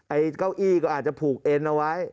เก้าอี้ก็อาจจะผูกเอ็นเอาไว้